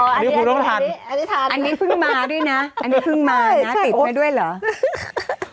อันนี้พึ่งมาด้วยนะติดไว้ด้วยเหรอ